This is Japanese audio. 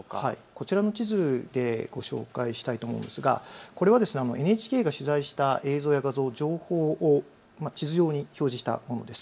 こちらの地図でご紹介したいと思うんですがこれはＮＨＫが取材した映像や情報を地図上に表示したものです。